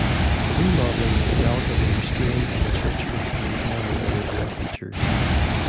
The remodelling was relatively restrained and the church retains many original features.